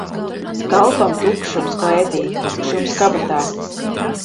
Kalpam tukšums klētī, tukšums kabatā.